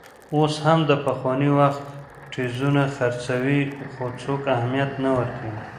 اوس هم د پخواني وخت ټیزونه خرڅوي، خو څوک اهمیت نه ورکوي.